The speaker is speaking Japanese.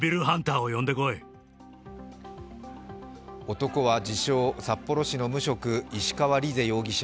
男は自称・札幌市の無職石川莉世容疑者